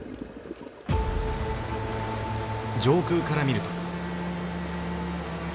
上空から見ると。